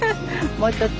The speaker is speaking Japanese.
もうちょっと。